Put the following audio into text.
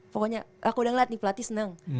pokoknya aku udah ngeliat nih pelatih senang